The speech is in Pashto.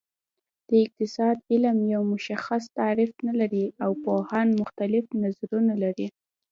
د اقتصاد علم یو مشخص تعریف نلري او پوهان مختلف نظرونه لري